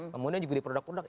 kemudian juga di produk produk